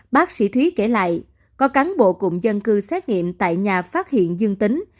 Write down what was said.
bác sĩ thúy kể lại có cán bộ cụm dân cư xét nghiệm tại nhà phát hiện dương tính